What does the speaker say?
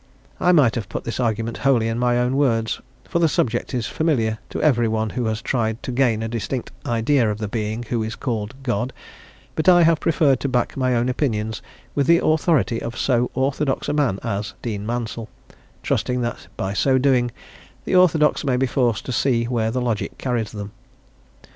I might have put this argument wholly in my own words, for the subject is familiar to every one who has tried to gain a distinct idea of the Being who is called "God," but I have preferred to back my own opinions with the authority of so orthodox a man as Dean Mansel, trusting that by so doing the orthodox may be forced to see where logic carries them.